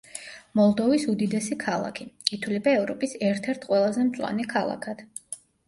მოლდოვის უდიდესი ქალაქი; ითვლება ევროპის ერთ-ერთ ყველაზე მწვანე ქალაქად.